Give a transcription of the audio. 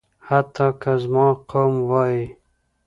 حتی که زما قوم وايي.